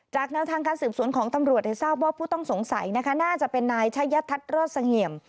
แนวทางการสืบสวนของตำรวจทราบว่าผู้ต้องสงสัยนะคะน่าจะเป็นนายชะยทัศน์รอดเสงี่ยม